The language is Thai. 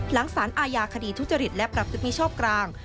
หลังสารอาญาคดีทุจริตและประพฤติมิชชอบกลาง